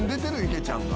池ちゃんが。